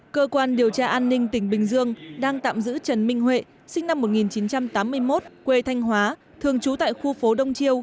cơ quan điều tra an ninh tỉnh bình dương đang tạm giữ trần minh huệ sinh năm một nghìn chín trăm tám mươi một quê thanh hóa thường trú tại khu phố đông triều